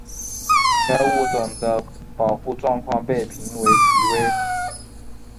该物种的保护状况被评为极危。